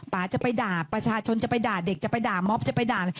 ป่าจะไปด่าประชาชนจะไปด่าเด็กจะไปด่าม็อบจะไปด่าอะไร